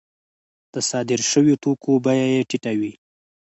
د صادر شویو توکو بیه یې ټیټه وي